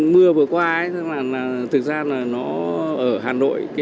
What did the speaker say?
mưa vừa qua thực ra là nó ở hà nội